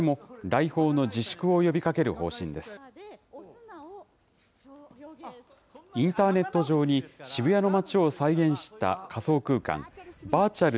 インターネット上に渋谷の街を再現した仮想空間、バーチャル